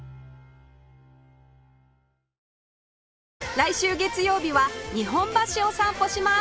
来週月曜日は日本橋を散歩します